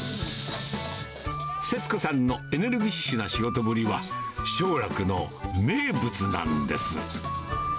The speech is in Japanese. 節子さんのエネルギッシュな仕事ぶりは、勝楽の名物なんです。